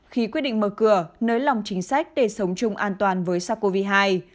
khi quyết định mở cửa nới lòng chính sách để sống chung an toàn với sắc covid hai